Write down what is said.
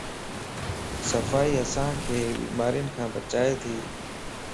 صفائي اسانک بيمارين کان بچائيتي